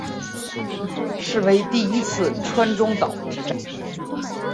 是为第一次川中岛之战。